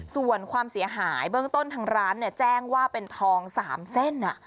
ส่วนความเสียหายเบื้องต้นทางร้านแจ้งว่าเป็นทอง๓เส้น